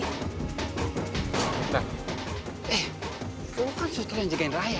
eh lu kan suster yang jagain raya